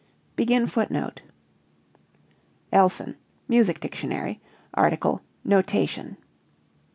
" [Footnote 37: Elson Music Dictionary, article, "Notation."